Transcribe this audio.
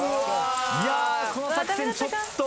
いやこの作戦ちょっと。